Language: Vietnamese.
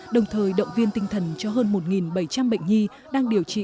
đồng thời động viên tinh thần cho hơn một bảy trăm linh bệnh nhi đang điều trị